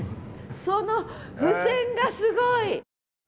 その付箋がすごい！